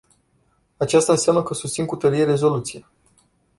Aceasta înseamnă că susțin cu tărie rezoluția.